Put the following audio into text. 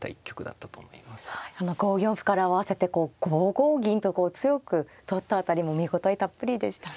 あの５四歩から合わせて５五銀とこう強く取った辺りも見応えたっぷりでしたね。